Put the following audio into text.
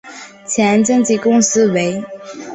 前经纪公司为。